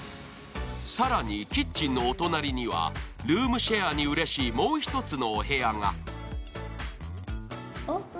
更にキッチンのお隣にはルームウェアにはうれしいもう１つのお部屋が。